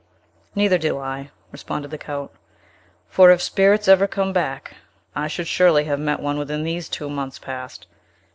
"Neither do I," responded the Count; "for, if spirits ever come back, I should surely have met one within these two months past.